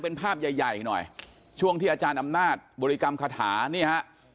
เป็นภาพใหญ่ใหญ่หน่อยช่วงที่อาจารย์อำนาจบริกรรมคาถานี่ฮะ